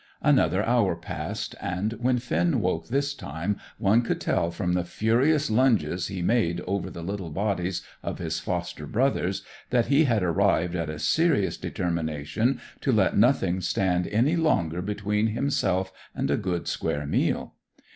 Another hour passed, and when Finn woke this time one could tell from the furious lunges he made over the little bodies of his foster brothers that he had arrived at a serious determination to let nothing stand any longer between himself and a good square meal.